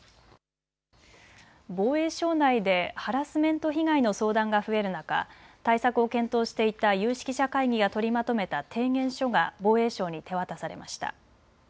防衛省内でハラスメント被害の相談が増える中、対策を検討していた有識者会議が取りまとめた提言書が防衛省に手渡されました。